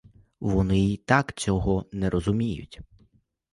Вони й так цього не розуміють.